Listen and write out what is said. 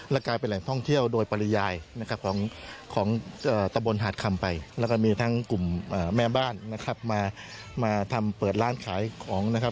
และกลายเป็นแหล่งท่องเที่ยวโดยปริญญาณของตะบนหาดคำไปแล้วก็มีทั้งกลุ่มแม่บ้านมาทำเปิดร้านขายของ